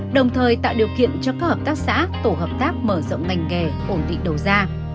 đồng thời tạo điều kiện cho các hợp tác xã tổ hợp tác mở rộng ngành nghề ổn định đầu ra